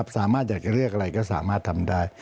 สามารถอยากจะเรียกอะไรก็สามารถทำได้